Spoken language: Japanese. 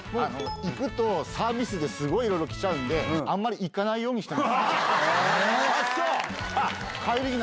行くとサービスですごいいろいろ来ちゃうんで、あんまり行かないようにしてます。